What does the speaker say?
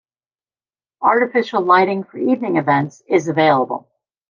Artificial lighting for evening events is available.